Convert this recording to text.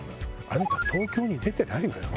あの子は東京に出てないのよ。